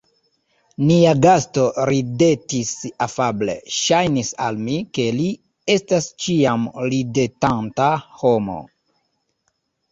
Nia gasto ridetis afable; ŝajnis al mi, ke li estas ĉiam ridetanta homo.